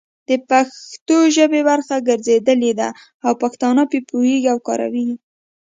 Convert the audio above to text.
د پښتو ژبې برخه ګرځېدلي دي او پښتانه په پوهيږي او کاروي يې،